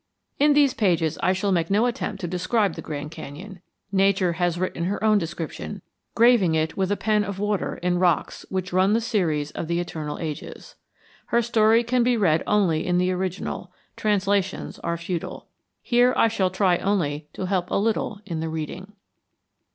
In these pages I shall make no attempt to describe the Grand Canyon. Nature has written her own description, graving it with a pen of water in rocks which run the series of the eternal ages. Her story can be read only in the original; translations are futile. Here I shall try only to help a little in the reading.